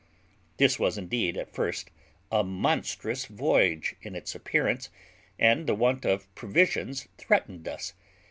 This was indeed at first a monstrous voyage in its appearance, and the want of provisions threatened us.